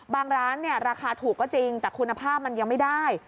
ร้านเนี่ยราคาถูกก็จริงแต่คุณภาพมันยังไม่ได้